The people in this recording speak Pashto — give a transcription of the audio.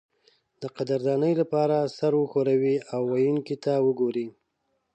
د قدردانۍ لپاره سر وښورئ او ویونکي ته وګورئ.